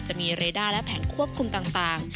จะมีเรด้าและแผงควบคุมต่าง